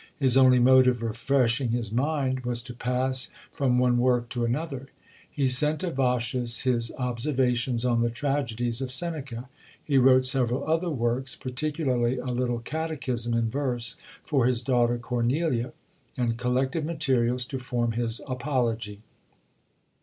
His only mode of refreshing his mind was to pass from one work to another. He sent to Vossius his observations on the Tragedies of Seneca. He wrote several other works particularly a little Catechism, in verse, for his daughter Cornelia and collected materials to form his Apology.